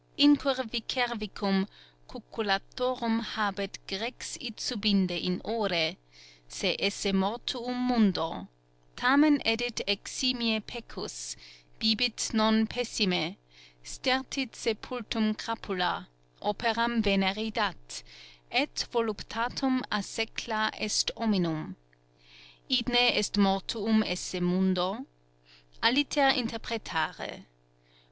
_ "Incurvicervicum cucullatorum habet Grex id subinde in ore, se esse mortuum Mundo: tamen edit eximie pecus, bibit Non pessime, stertit sepultum crapula, Operam veneri dat, et voluptatum assecla Est omnium. Idne est mortuum esse mundo? Aliter interpretare.